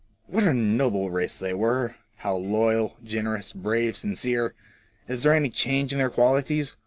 What a noble race they were I How loyal, generous, brave, sincere ! Is there any change in their qualities